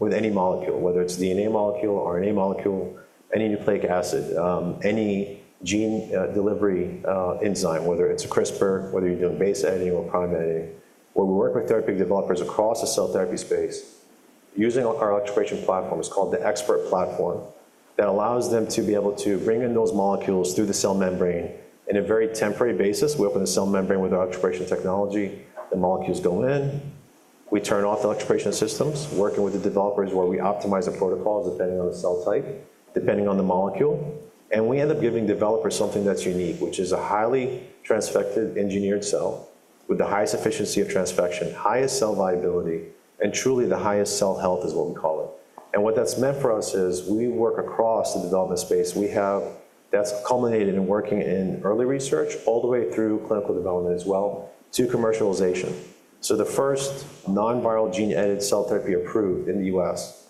With any molecule, whether it's the DNA molecule or an RNA molecule, any nucleic acid, any gene delivery enzyme, whether it's a CRISPR, whether you're doing base editing or prime editing, where we work with therapeutic developers across the cell therapy space, using our artificial platform, it's called ExPERT Platform. It allows them to be able to bring in those molecules through the cell membrane on a very temporary basis. We open the cell membrane with our electroporation technology. The molecules go in. We turn off the electroporation systems, working with the developers where we optimize the protocols depending on the cell type, depending on the molecule. We end up giving developers something that's unique, which is a highly transfected engineered cell with the highest efficiency of transfection, highest cell viability, and truly the highest cell health is what we call it. What that has meant for us is we work across the development space. We have that has culminated in working in early research all the way through clinical development as well to commercialization. The first non-viral gene-edited cell therapy approved in the U.S.,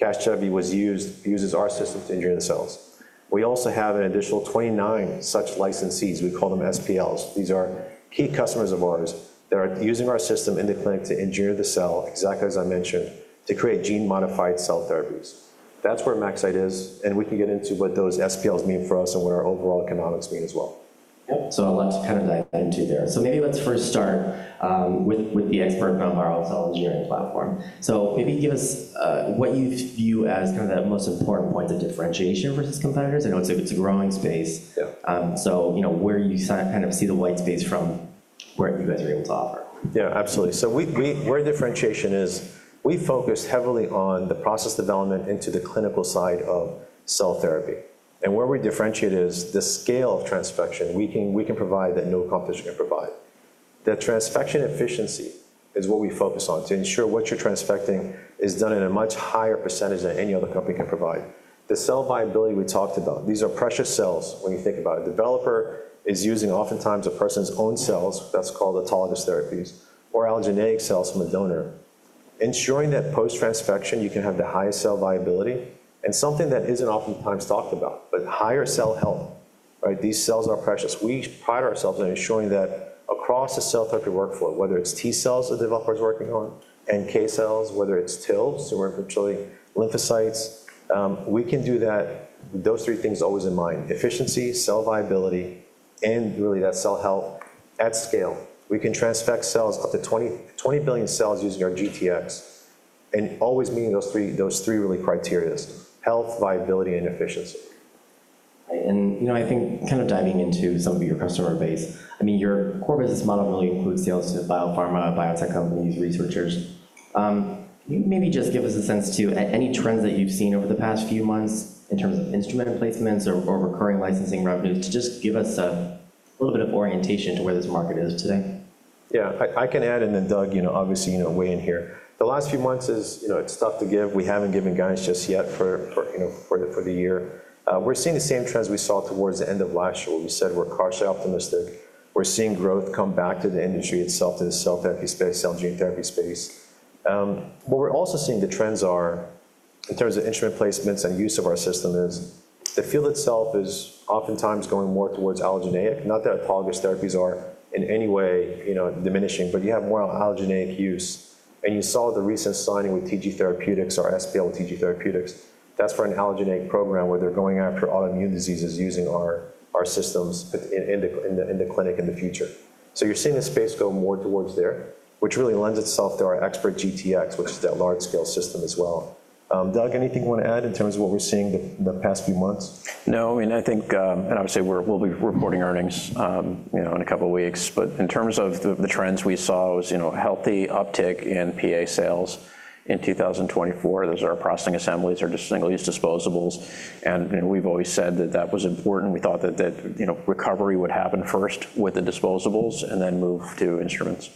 Casgevy, was used to use our systems to engineer the cells. We also have an additional 29 such licensees. We call them SPLs. These are key customers of ours that are using our system in the clinic to engineer the cell, exactly as I mentioned, to create gene-modified cell therapies. That is where MaxCyte is, and we can get into what those SPLs mean for us and what our overall economics mean as well. Let's kind of dive into there. Maybe let's first start with the ExPERT non-viral cell engineering platform. Maybe give us what you view as kind of that most important point of differentiation versus competitors. I know it's a growing space. Where you kind of see the white space from where you guys are able to offer. Yeah, absolutely. Where differentiation is, we focus heavily on the process development into the clinical side of cell therapy. Where we differentiate is the scale of transfection. We can provide that no competitor can provide. The transfection efficiency is what we focus on to ensure what you're transfecting is done at a much higher percentage than any other company can provide. The cell viability we talked about, these are precious cells when you think about it. A developer is using oftentimes a person's own cells. That's called autologous therapies or allogeneic cells from a donor, ensuring that post-transfection you can have the highest cell viability and something that isn't oftentimes talked about, but higher cell health. These cells are precious. We pride ourselves on ensuring that across the cell therapy workflow, whether it's T cells that developers are working on and NK cells, whether it's TILs, tumor infiltrating lymphocytes, we can do that with those three things always in mind: efficiency, cell viability, and really that cell health at scale. We can transfect cells up to 20 billion cells using our GTx and always meeting those three really criteria: health, viability, and efficiency. I think kind of diving into some of your customer base, I mean, your core business model really includes sales to biopharma, biotech companies, researchers. Can you maybe just give us a sense to any trends that you've seen over the past few months in terms of instrument placements or recurring licensing revenues to just give us a little bit of orientation to where this market is today? Yeah, I can add in that Doug, obviously, you know, weigh in here. The last few months is, you know, it's tough to give. We haven't given guidance just yet for the year. We're seeing the same trends we saw towards the end of last year. We said we're partially optimistic. We're seeing growth come back to the industry itself, to the cell therapy space, cell and gene therapy space. What we're also seeing the trends are in terms of instrument placements and use of our system is the field itself is oftentimes going more towards allogeneic, not that autologous therapies are in any way diminishing, but you have more allogeneic use. You saw the recent signing with TG Therapeutics, our SPL with TG Therapeutics. That's for an allogeneic program where they're going after autoimmune diseases using our systems in the clinic in the future. You're seeing the space go more towards there, which really lends itself to our ExPERT GTx, which is that large-scale system as well. Doug, anything you want to add in terms of what we're seeing the past few months? No, I mean, I think, and obviously we'll be reporting earnings in a couple of weeks, but in terms of the trends we saw, it was healthy uptick in PA sales in 2024. Those are processing assemblies or just single-use disposables. And we've always said that that was important. We thought that recovery would happen first with the disposables and then move to instruments.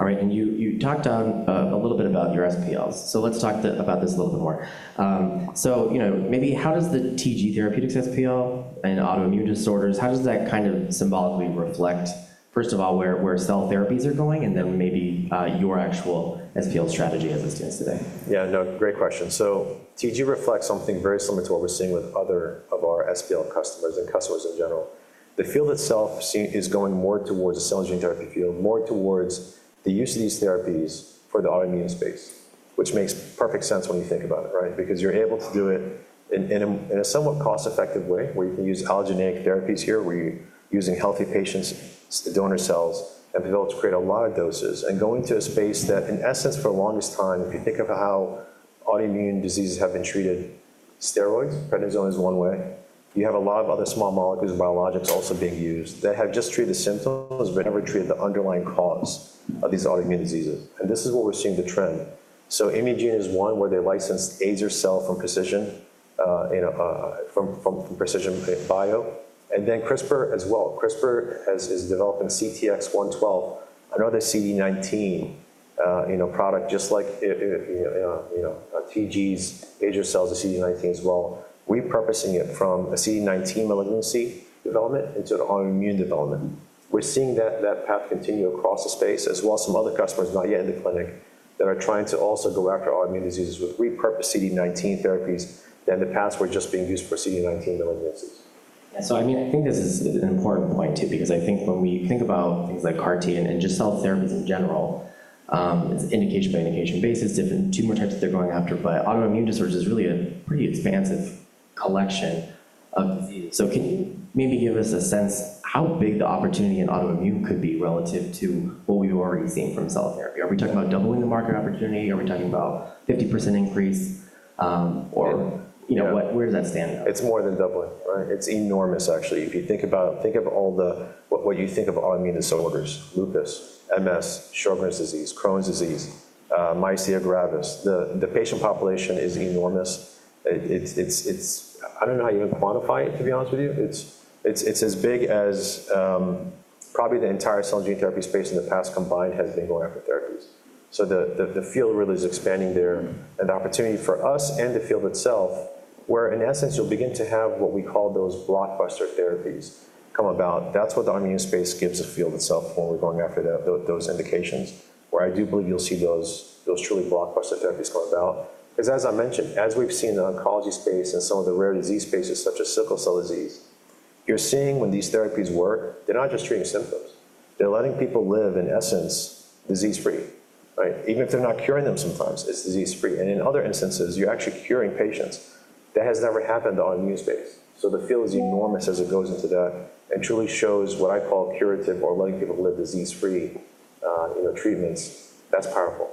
All right. You talked a little bit about your SPLs. Let's talk about this a little bit more. Maybe how does the TG Therapeutics SPL and autoimmune disorders, how does that kind of symbolically reflect, first of all, where cell therapies are going and then maybe your actual SPL strategy as it stands today? Yeah, no, great question. TG reflects something very similar to what we're seeing with other of our SPL customers and customers in general. The field itself is going more towards the cell gene therapy field, more towards the use of these therapies for the autoimmune space, which makes perfect sense when you think about it, right? Because you're able to do it in a somewhat cost-effective way where you can use allogeneic therapies here where you're using healthy patients, donor cells, and be able to create a lot of doses and go into a space that, in essence, for the longest time, if you think of how autoimmune diseases have been treated, steroids, prednisone is one way. You have a lot of other small molecules and biologics also being used that have just treated the symptoms but never treated the underlying cause of these autoimmune diseases. This is where we're seeing the trend. Imugene is one where they licensed azer-cel from Precision Bio. CRISPR as well is developing CTX112, another CD19 product, just like TG's azer-cel's CD19 as well, repurposing it from a CD19 malignancy development into an autoimmune development. We're seeing that path continue across the space as well as some other customers not yet in the clinic that are trying to also go after autoimmune diseases with repurposed CD19 therapies that in the past were just being used for CD19 malignancies. Yeah. I mean, I think this is an important point too because I think when we think about things like CAR-T and just cell therapies in general, it's indication by indication basis, different tumor types that they're going after, but autoimmune disorders is really a pretty expansive collection of diseases. Can you maybe give us a sense how big the opportunity in autoimmune could be relative to what we've already seen from cell therapy? Are we talking about doubling the market opportunity? Are we talking about a 50% increase? Where does that stand? It's more than doubling, right? It's enormous, actually. If you think about what you think of autoimmune disorders, lupus, MS, Sjögren's, Crohn's disease, myasthenia gravis, the patient population is enormous. I don't know how you even quantify it, to be honest with you. It's as big as probably the entire cell gene therapy space in the past combined has been going after therapies. The field really is expanding there and the opportunity for us and the field itself, where in essence, you'll begin to have what we call those blockbuster therapies come about. That's what the autoimmune space gives the field itself when we're going after those indications, where I do believe you'll see those truly blockbuster therapies come about. Because as I mentioned, as we've seen in the oncology space and some of the rare disease spaces such as sickle cell disease, you're seeing when these therapies work, they're not just treating symptoms. They're letting people live in essence disease-free, right? Even if they're not curing them sometimes, it's disease-free. In other instances, you're actually curing patients. That has never happened in the autoimmune space. The field is enormous as it goes into that and truly shows what I call curative or letting people live disease-free treatments. That's powerful.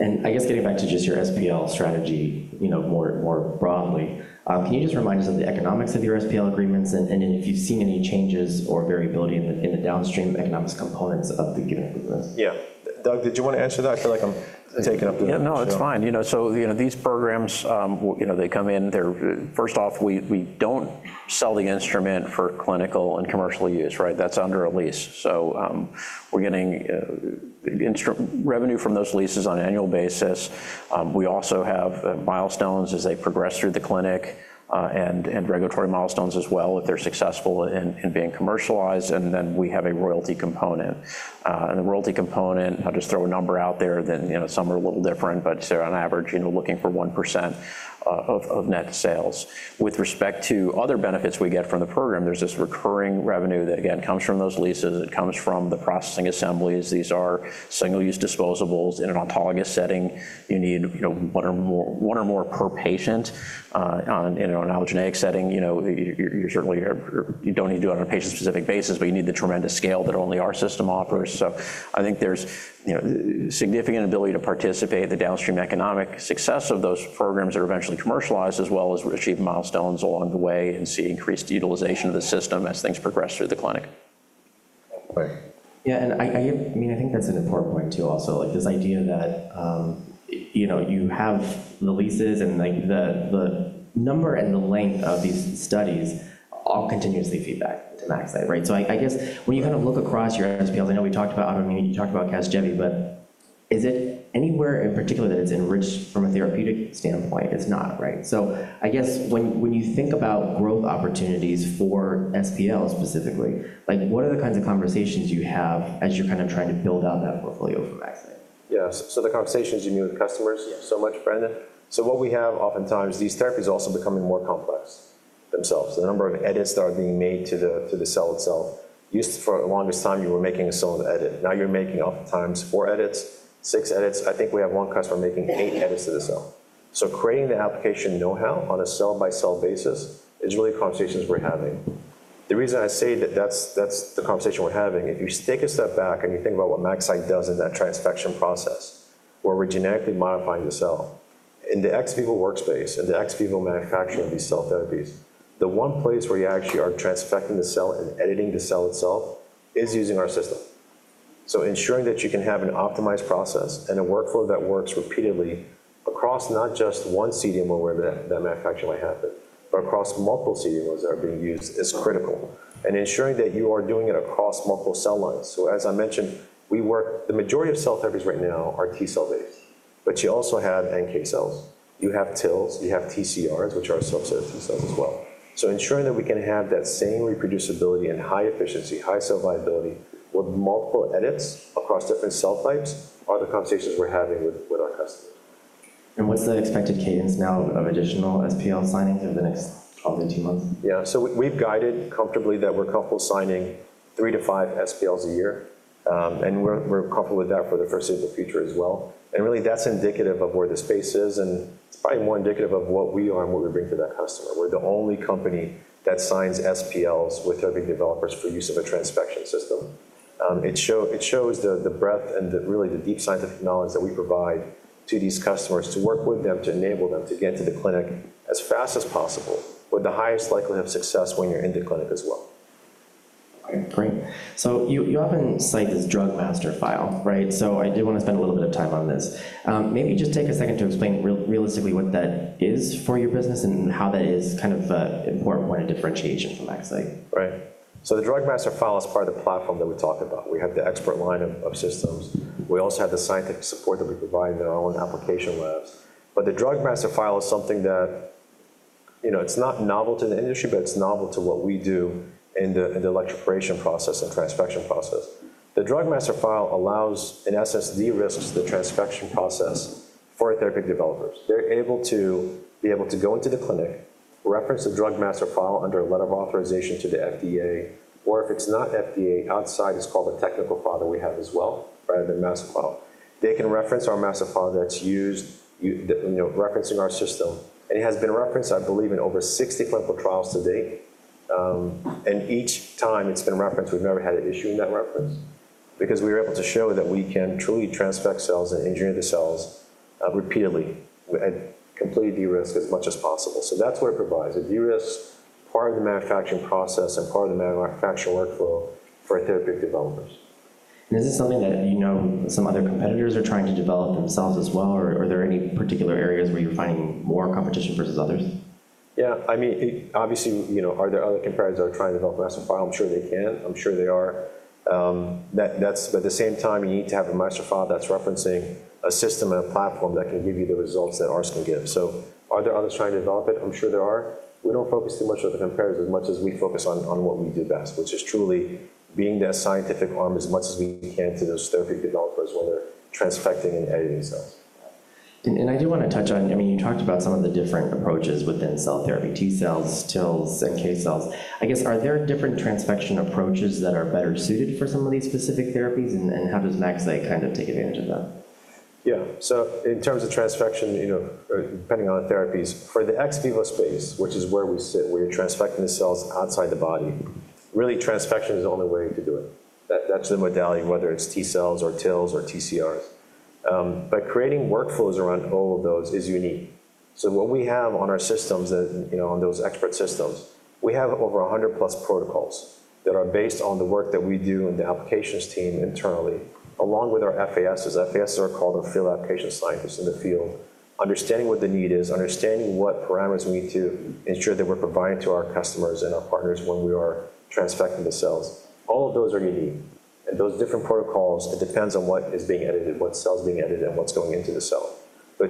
I guess getting back to just your SPL strategy more broadly, can you just remind us of the economics of your SPL agreements and if you've seen any changes or variability in the downstream economics components of the given agreements? Yeah. Doug, did you want to answer that? I feel like I'm taking up the. Yeah, no, it's fine. These programs, they come in. First off, we don't sell the instrument for clinical and commercial use, right? That's under a lease. We're getting revenue from those leases on an annual basis. We also have milestones as they progress through the clinic and regulatory milestones as well if they're successful in being commercialized. We have a royalty component. The royalty component, I'll just throw a number out there, some are a little different, but on average, looking for 1% of net sales. With respect to other benefits we get from the program, there's this recurring revenue that again comes from those leases. It comes from the processing assemblies. These are single-use disposables. In an autologous setting, you need one or more per patient. In an allogeneic setting, you certainly don't need to do it on a patient-specific basis, but you need the tremendous scale that only our system offers. I think there's significant ability to participate in the downstream economic success of those programs that are eventually commercialized as well as achieve milestones along the way and see increased utilization of the system as things progress through the clinic. Yeah. I mean, I think that's an important point too also, like this idea that you have the leases and the number and the length of these studies all continuously feedback to MaxCyte, right? I guess when you kind of look across your SPLs, I know we talked about autoimmune, you talked about Casgevy, but is it anywhere in particular that it's enriched from a therapeutic standpoint? It's not, right? I guess when you think about growth opportunities for SPLs specifically, what are the kinds of conversations you have as you're kind of trying to build out that portfolio for MaxCyte? Yeah. The conversations you need with customers, so much, Brandon. What we have oftentimes, these therapies are also becoming more complex themselves. The number of edits that are being made to the cell itself, used for the longest time, you were making a single edit. Now you're making oftentimes four edits, six edits. I think we have one customer making eight edits to the cell. Creating the application know-how on a cell-by-cell basis is really conversations we're having. The reason I say that that's the conversation we're having, if you take a step back and you think about what MaxCyte does in that transfection process, where we're genetically modifying the cell in the ex vivo workspace and the ex vivo manufacturing of these cell therapies, the one place where you actually are transfecting the cell and editing the cell itself is using our system. Ensuring that you can have an optimized process and a workflow that works repeatedly across not just one CDMO where that manufacturing might happen, but across multiple CDMOs that are being used is critical. Ensuring that you are doing it across multiple cell lines is also important. As I mentioned, the majority of cell therapies right now are T cell-based, but you also have NK cells. You have TILs. You have TCRs, which are self-cell T cells as well. Ensuring that we can have that same reproducibility and high efficiency, high cell viability with multiple edits across different cell types are the conversations we're having with our customers. What's the expected cadence now of additional SPL signings over the next 12-18 months? Yeah. We have guided comfortably that we are comfortable signing three to five SPLs a year. We are comfortable with that for the foreseeable future as well. That is indicative of where the space is. It is probably more indicative of what we are and what we bring to that customer. We are the only company that signs SPLs with therapy developers for use of a transfection system. It shows the breadth and really the deep scientific knowledge that we provide to these customers to work with them, to enable them to get to the clinic as fast as possible with the highest likelihood of success when you are in the clinic as well. All right. Great. You often cite this Drug Master File, right? I do want to spend a little bit of time on this. Maybe just take a second to explain realistically what that is for your business and how that is kind of an important point of differentiation from MaxCyte. Right. The Drug Master File is part of the platform that we talk about. We have the ExPERT line of systems. We also have the scientific support that we provide in our own application labs. The Drug Master File is something that is not novel to the industry, but it is novel to what we do in the electroporation process and transfection process. The Drug Master File allows, in essence, de-risks the transfection process for therapy developers. They are able to go into the clinic, reference the Drug Master File under a letter of authorization to the FDA, or if it is not FDA, outside it is called a Technical File that we have as well, rather than Master File. They can reference our Master File that is used, referencing our system. It has been referenced, I believe, in over 60 clinical trials to date. Each time it's been referenced, we've never had an issue in that reference because we were able to show that we can truly transfect cells and engineer the cells repeatedly and completely de-risk as much as possible. That is what it provides. It de-risks part of the manufacturing process and part of the manufacturing workflow for therapy developers. Is this something that some other competitors are trying to develop themselves as well? Are there any particular areas where you're finding more competition versus others? Yeah. I mean, obviously, are there other competitors that are trying to develop a Master File? I'm sure they can. I'm sure they are. At the same time, you need to have a Master File that's referencing a system and a platform that can give you the results that ours can give. Are there others trying to develop it? I'm sure there are. We don't focus too much on the competitors as much as we focus on what we do best, which is truly being that scientific arm as much as we can to those therapy developers when they're transfecting and editing cells. I do want to touch on, I mean, you talked about some of the different approaches within cell therapy, T cells, TILs, NK cells. I guess, are there different transfection approaches that are better suited for some of these specific therapies? How does MaxCyte kind of take advantage of that? Yeah. So in terms of transfection, depending on the therapies, for the ex vivo space, which is where we sit, where you're transfecting the cells outside the body, really transfection is the only way to do it. That's the modality, whether it's T cells or TILs or TCRs. Creating workflows around all of those is unique. What we have on our systems, on those ExPERT systems, we have over 100+ protocols that are based on the work that we do in the applications team internally, along with our FASs. FASs are called our field application scientists in the field, understanding what the need is, understanding what parameters we need to ensure that we're providing to our customers and our partners when we are transfecting the cells. All of those are unique. Those different protocols, it depends on what is being edited, what cell is being edited, and what's going into the cell.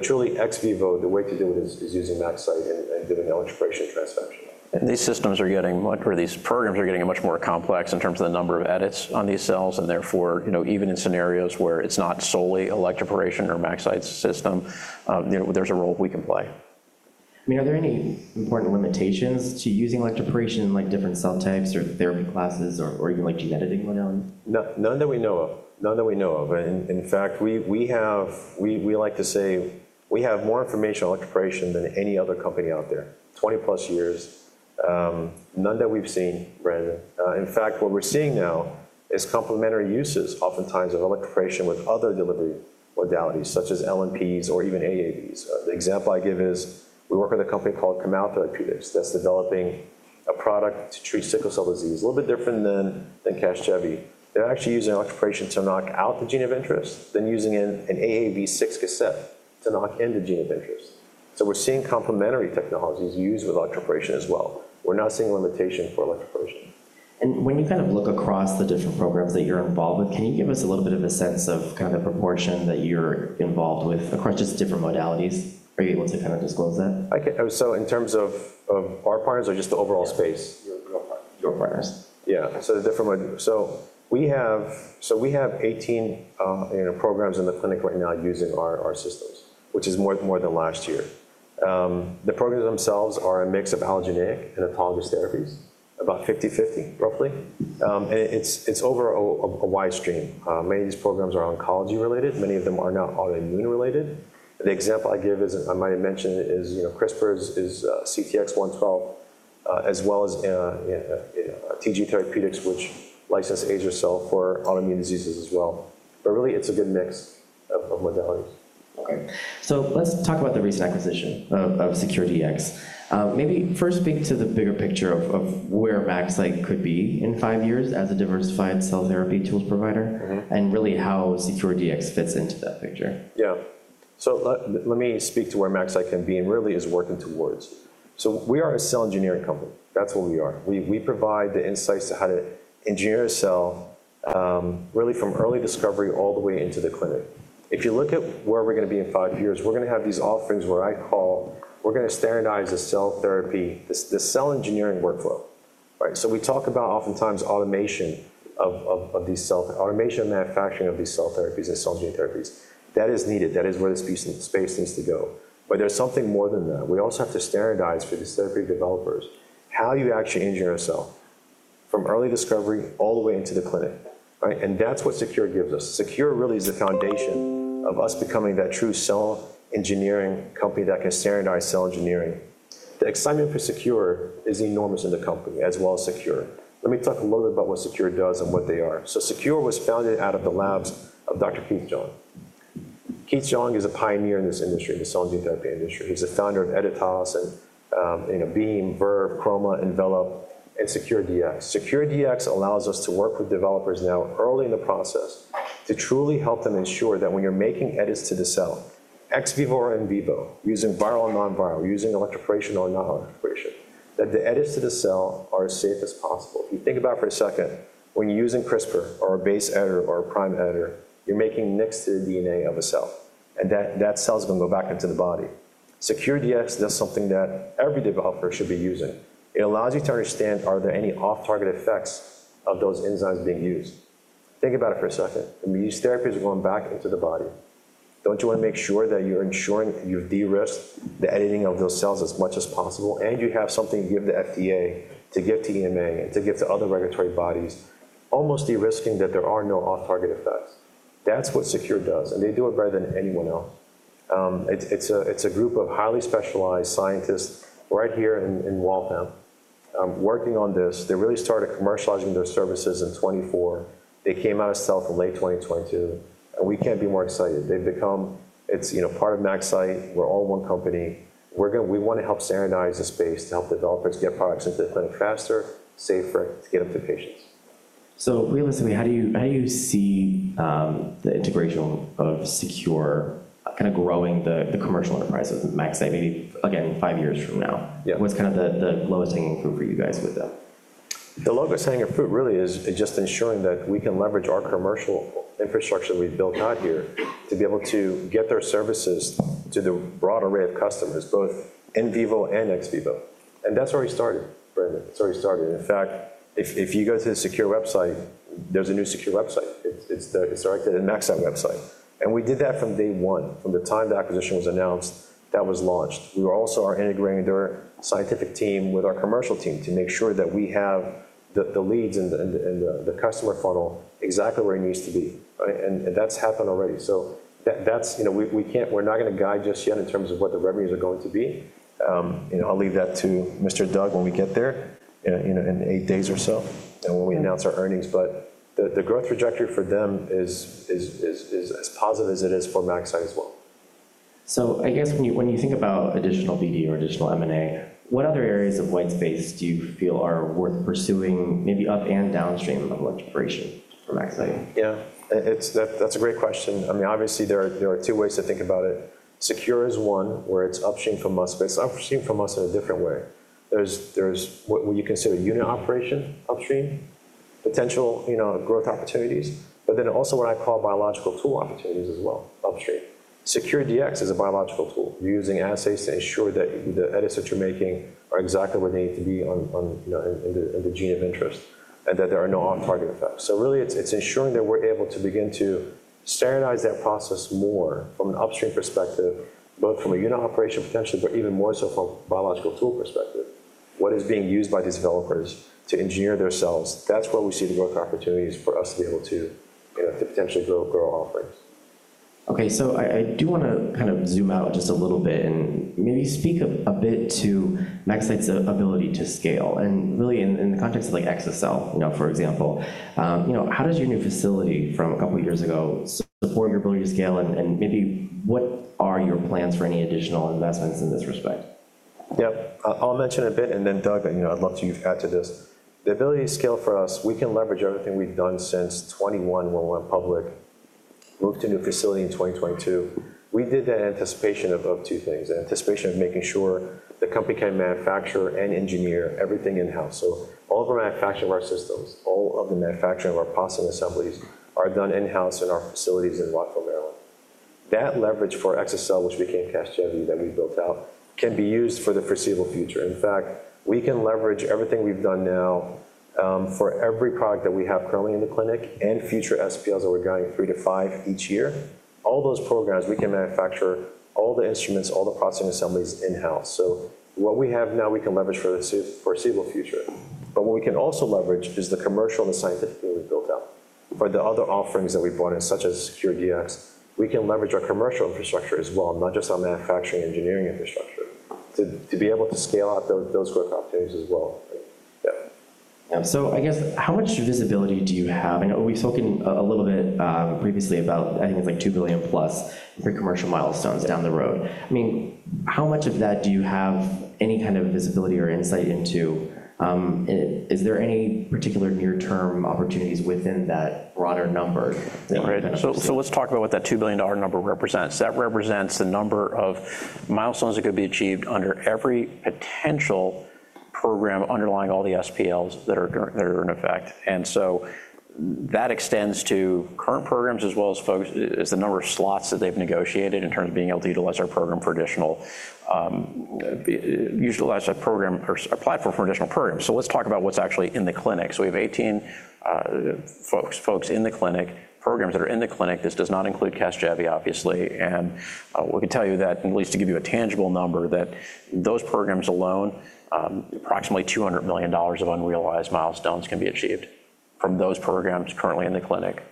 Truly ex vivo, the way to do it is using MaxCyte and doing electroporation transfection. These systems are getting much more, these programs are getting much more complex in terms of the number of edits on these cells. Therefore, even in scenarios where it is not solely electroporation or MaxCyte's system, there is a role we can play. I mean, are there any important limitations to using electroporation in different cell types or therapy classes or even like gene editing modality? None that we know of. None that we know of. In fact, we like to say we have more information on electroporation than any other company out there. 20+ years. None that we've seen, Brandon. In fact, what we're seeing now is complementary uses oftentimes of electroporation with other delivery modalities such as LNPs or even AAVs. The example I give is we work with a company called Kamau Therapeutics that's developing a product to treat sickle cell disease, a little bit different than Casgevy. They're actually using electroporation to knock out the gene of interest then using an AAV6 cassette to knock in the gene of interest. We are seeing complementary technologies used with electroporation as well. We're not seeing a limitation for electroporation. When you kind of look across the different programs that you're involved with, can you give us a little bit of a sense of kind of the proportion that you're involved with across just different modalities? Are you able to kind of disclose that? In terms of our partners or just the overall space? Your partners. Yeah. The different ones. We have 18 programs in the clinic right now using our systems, which is more than last year. The programs themselves are a mix of allogeneic and autologous therapies, about 50-50, roughly. It is over a wide stream. Many of these programs are oncology related. Many of them are not autoimmune related. The example I give is, I might have mentioned it, is CRISPR Therapeutics' CTX112, as well as TG Therapeutics, which licenses azer-cel for autoimmune diseases as well. It is a good mix of modalities. Okay. Let's talk about the recent acquisition of SeQure Dx. Maybe first speak to the bigger picture of where MaxCyte could be in five years as a diversified cell therapy tools provider and really how SeQure Dx fits into that picture. Yeah. Let me speak to where MaxCyte can be and really is working towards. We are a cell engineering company. That's what we are. We provide the insights to how to engineer a cell really from early discovery all the way into the clinic. If you look at where we're going to be in five years, we're going to have these offerings where I call, we're going to standardize the cell therapy, the cell engineering workflow, right? We talk about oftentimes automation of these cells, automation of manufacturing of these cell therapies and cell gene therapies. That is needed. That is where this space needs to go. There is something more than that. We also have to standardize for these therapy developers how you actually engineer a cell from early discovery all the way into the clinic, right? That's what SeQure Dx gives us. SeQure really is the foundation of us becoming that true cell engineering company that can standardize cell engineering. The excitement for SeQure is enormous in the company as well as SeQure. Let me talk a little bit about what SeQure does and what they are. SeQure was founded out of the labs of Dr. Keith Joung. Keith Joung is a pioneer in this industry, the cell and gene therapy industry. He's the founder of Editas and Beam, Verve, Chroma, Nvelop, and SeQure Dx. SeQure Dx allows us to work with developers now early in the process to truly help them ensure that when you're making edits to the cell, ex vivo or in vivo, using viral or non-viral, using electroporation or non-electroporation, that the edits to the cell are as safe as possible. If you think about it for a second, when you're using CRISPR or a base editor or a prime editor, you're making nicks to the DNA of a cell. That cell is going to go back into the body. SeQure Dx does something that every developer should be using. It allows you to understand, are there any off-target effects of those enzymes being used? Think about it for a second. These therapies are going back into the body. Don't you want to make sure that you're ensuring you've de-risked the editing of those cells as much as possible? You have something to give the FDA, to give to EMA, and to give to other regulatory bodies, almost de-risking that there are no off-target effects. That's what SeQure does. They do it better than anyone else. It's a group of highly specialized scientists right here in Waltham working on this. They really started commercializing their services in 2024. They came out of stealth in late 2022. We can't be more excited. They've become, it's part of MaxCyte. We're all one company. We want to help standardize the space to help developers get products into the clinic faster, safer, to get them to patients. Realistically, how do you see the integration of SeQure kind of growing the commercial enterprise with MaxCyte maybe, again, five years from now? What's kind of the lowest hanging fruit for you guys with them? The lowest hanging fruit really is just ensuring that we can leverage our commercial infrastructure that we've built out here to be able to get their services to the broader array of customers, both in vivo and ex vivo. That is where we started, Brandon. That is where we started. In fact, if you go to the SeQure Dx website, there is a new SeQure Dx website. It is directed at the MaxCyte website. We did that from day one. From the time the acquisition was announced, that was launched. We also are integrating their scientific team with our commercial team to make sure that we have the leads and the customer funnel exactly where it needs to be. That has happened already. We are not going to guide just yet in terms of what the revenues are going to be. I'll leave that to Mr. Doug, when we get there in eight days or so, when we announce our earnings, the growth trajectory for them is as positive as it is for MaxCyte as well. I guess when you think about additional BD or additional M&A, what other areas of white space do you feel are worth pursuing maybe up and downstream of electroporation for MaxCyte? Yeah. That's a great question. I mean, obviously, there are two ways to think about it. SeQure Dx is one where it's upstream from us. It's upstream from us in a different way. There's what you consider unit operation upstream, potential growth opportunities, but then also what I call biological tool opportunities as well upstream. SeQure Dx is a biological tool. You're using assays to ensure that the edits that you're making are exactly where they need to be in the gene of interest and that there are no off-target effects. It is ensuring that we're able to begin to standardize that process more from an upstream perspective, both from a unit operation potential, but even more so from a biological tool perspective, what is being used by these developers to engineer their cells. That's where we see the growth opportunities for us to be able to potentially grow our offerings. Okay. I do want to kind of zoom out just a little bit and maybe speak a bit to MaxCyte's ability to scale. Really, in the context of azer-cel, for example, how does your new facility from a couple of years ago support your ability to scale? Maybe what are your plans for any additional investments in this respect? Yep. I'll mention a bit, and then Doug, I'd love to add to this. The ability to scale for us, we can leverage everything we've done since 2021 when we went public, moved to a new facility in 2022. We did that in anticipation of two things, in anticipation of making sure the company can manufacture and engineer everything in-house. So all of our manufacturing of our systems, all of the manufacturing of our possible assemblies are done in-house in our facilities in Rockville, Maryland. That leverage for ExPERT, which became Casgevy that we built out, can be used for the foreseeable future. In fact, we can leverage everything we've done now for every product that we have currently in the clinic and future SPLs that we're going three to five each year. All those programs, we can manufacture all the instruments, all the processing assemblies in-house. What we have now, we can leverage for the foreseeable future. What we can also leverage is the commercial and the scientific that we built out. For the other offerings that we brought in, such as SeQure Dx, we can leverage our commercial infrastructure as well, not just our manufacturing engineering infrastructure, to be able to scale out those growth opportunities as well. Yeah. I guess, how much visibility do you have? I know we've spoken a little bit previously about, I think it's like $2+ billion for commercial milestones down the road. I mean, how much of that do you have any kind of visibility or insight into? Is there any particular near-term opportunities within that broader number? Let's talk about what that $2 billion number represents. That represents the number of milestones that could be achieved under every potential program underlying all the SPLs that are in effect. That extends to current programs as well as the number of slots that they've negotiated in terms of being able to utilize our program for additional, utilize our program or our platform for additional programs. Let's talk about what's actually in the clinic. We have 18 folks in the clinic, programs that are in the clinic. This does not include Casgevy, obviously. We can tell you that, at least to give you a tangible number, those programs alone, approximately $200 million of unrealized milestones can be achieved from those programs currently in the clinic.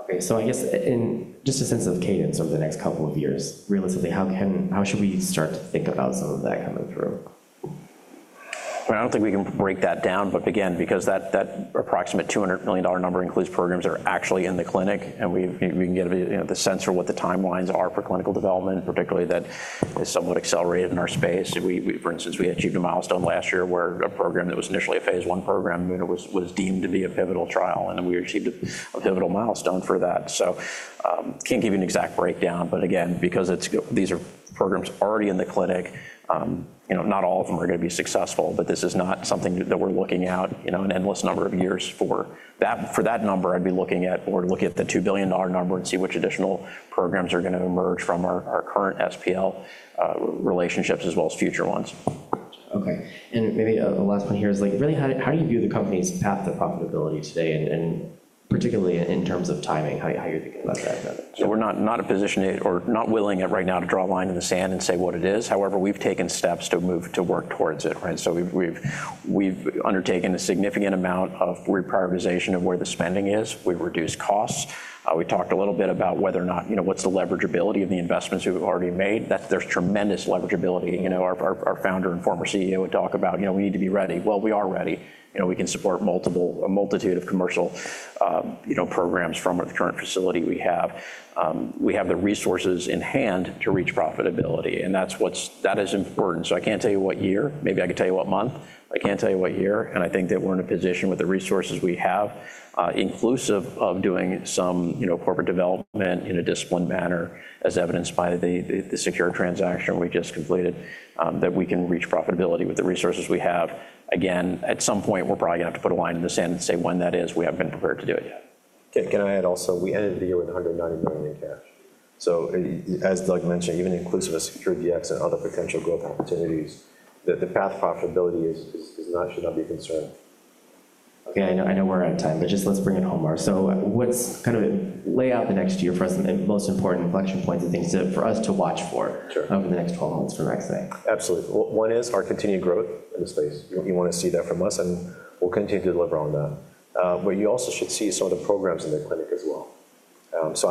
Okay. I guess in just a sense of cadence over the next couple of years, realistically, how should we start to think about some of that coming through? I don't think we can break that down, but again, because that approximate $200 million number includes programs that are actually in the clinic, and we can get the sense for what the timelines are for clinical development, particularly that is somewhat accelerated in our space. For instance, we achieved a milestone last year where a program that was initially a Phase I program was deemed to be a pivotal trial, and we achieved a pivotal milestone for that. I can't give you an exact breakdown, but again, because these are programs already in the clinic, not all of them are going to be successful, but this is not something that we're looking out an endless number of years for. For that number, I'd be looking at or looking at the $2 billion number and see which additional programs are going to emerge from our current SPL relationships as well as future ones. Okay. Maybe the last one here is really, how do you view the company's path to profitability today, and particularly in terms of timing, how you're thinking about that? We're not a position or not willing right now to draw a line in the sand and say what it is. However, we've taken steps to move to work towards it, right? We've undertaken a significant amount of reprioritization of where the spending is. We've reduced costs. We talked a little bit about whether or not what's the leverageability of the investments we've already made. There's tremendous leverageability. Our founder and former CEO would talk about, "We need to be ready." We are ready. We can support a multitude of commercial programs from the current facility we have. We have the resources in hand to reach profitability. That is important. I can't tell you what year. Maybe I could tell you what month. I can't tell you what year. I think that we're in a position with the resources we have, inclusive of doing some corporate development in a disciplined manner, as evidenced by the SeQure Dx transaction we just completed, that we can reach profitability with the resources we have. Again, at some point, we're probably going to have to put a line in the sand and say when that is. We haven't been prepared to do it yet. Can I add also we ended the year with $190 million in cash. As Doug mentioned, even inclusive of SeQure Dx and other potential growth opportunities, the path to profitability should not be a concern. Yeah. I know we're out of time, but just let's bring it home. Kind of lay out the next year for us and most important inflection points and things for us to watch for over the next 12 months for MaxCyte. Absolutely. One is our continued growth in the space. You want to see that from us, and we'll continue to deliver on that. You also should see some of the programs in the clinic as well.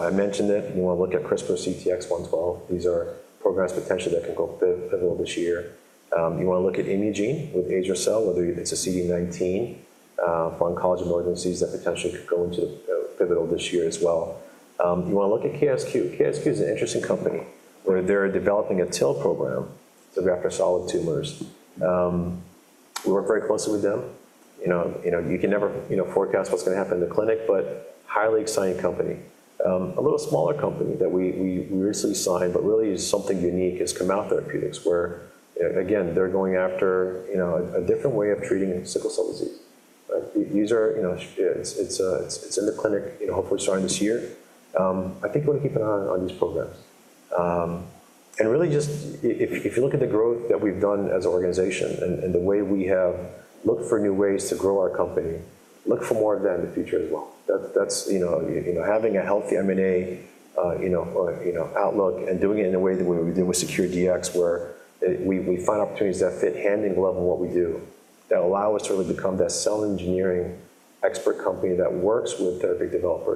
I mentioned it. You want to look at CRISPR, CTX112. These are programs potentially that can go pivotal this year. You want to look at Imugene with azer-cel, whether it's a CD19 for oncology malignancies that potentially could go into the pivotal this year as well. You want to look at KSQ. KSQ is an interesting company where they're developing a TIL program to graft for solid tumors. We work very closely with them. You can never forecast what's going to happen in the clinic, but highly exciting company. A little smaller company that we recently signed, but really is something unique, is Kamau Therapeutics, where again, they're going after a different way of treating sickle cell disease. It is in the clinic, hopefully starting this year. I think we're going to keep an eye on these programs. If you look at the growth that we've done as an organization and the way we have looked for new ways to grow our company, look for more of that in the future as well. Having a healthy M&A outlook and doing it in a way that we were doing with SeQure Dx, where we find opportunities that fit hand in glove with what we do, that allow us to really become that cell engineering expert company that works with therapy developers.